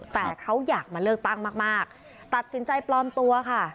แต่เขาอยากมาเลือกตั้งมากตัดสินใจปลอมตัวค่ะ